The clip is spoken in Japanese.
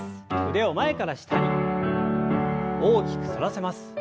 腕を前から下に大きく反らせます。